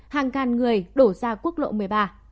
hàng ngàn người đổ ra quốc lộ một mươi ba